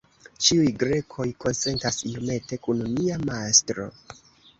Ĉiuj Grekoj konsentas iomete kun nia mastro.